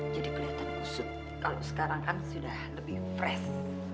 jadi kelihatan usut kalau sekarang kan sudah lebih fresh